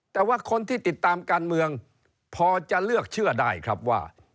แต่ว่าคนที่ติดตามการเมืองพอจะเลือกเชื่อได้ครับว่า